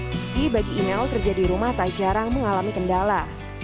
jadi bagi email kerja di rumah tak jarang mengalami kendala